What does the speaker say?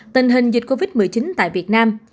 tình hình dịch covid một mươi chín tại việt nam